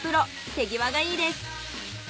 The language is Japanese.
手際がいいです。